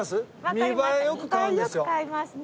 見栄え良く買いますね。